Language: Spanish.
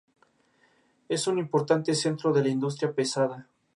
Es un importante centro de la industria pesada.